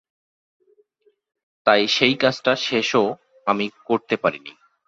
তাই সেই কাজটা শেষও আমি করতে পারিনি।